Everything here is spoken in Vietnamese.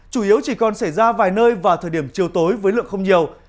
chủ yếu chỉ còn xảy ra vài nơi vào thời điểm chiều tối với lượng không nhiều